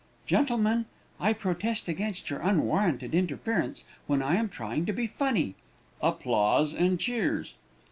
Gentlemen, I protest against your unwarranted interference when I am trying to be funny (applause and cheers).